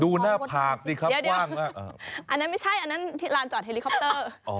ดูหน้าผากซิครับกว้างมากเดี๋ยวอันนั้นไม่ใช่อันนั้นที่ลานจัดเฮลิคอปเตอร์